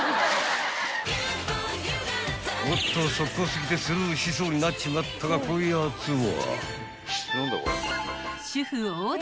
［おっと速攻過ぎてスルーしそうになっちまったがこやつは？］